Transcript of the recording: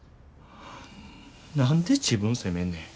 何で自分責めんねん。